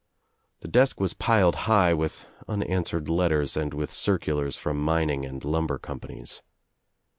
The desk was piled high with unan swered letters and with circulars from mining and lumber companies.